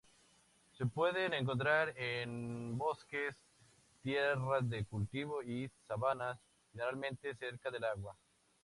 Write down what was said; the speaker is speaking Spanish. Se pueden encontrar en bosques, tierras de cultivo y sabanas, generalmente cerca del agua.